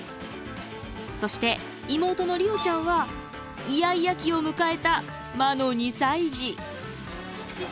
そして妹の理央ちゃんはイヤイヤ期を迎えた魔の２歳児。